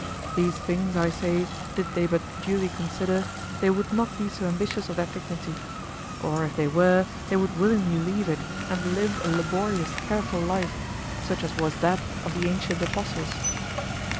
These things, I say, did they but duly consider, they would not be so ambitious of that dignity; or, if they were, they would willingly leave it and live a laborious, careful life, such as was that of the ancient apostles.